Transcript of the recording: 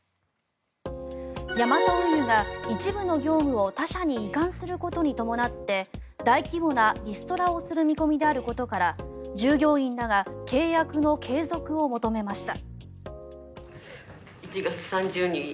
ヤマト運輸が一部の業務を他社に移管することに伴って大規模なリストラをする見込みであることから従業員らが契約の継続を求めました。